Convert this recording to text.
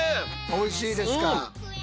おいしいですか？